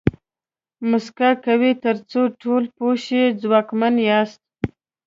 موسکا کوه تر څو ټول پوه شي ځواکمن یاست.